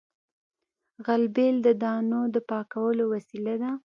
غلبېل د دانو د پاکولو وسیله ده